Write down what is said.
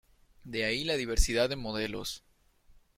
De ahí la diversidad de modelos.